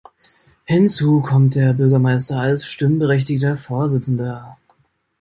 Hinzu kommt der Bürgermeister als stimmberechtigter Vorsitzender.